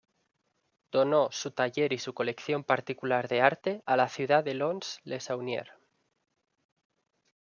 Donó su taller y su colección particular de arte a la ciudad de Lons-le-Saunier.